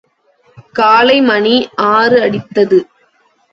காலை மணி ஆறு அடித்தது.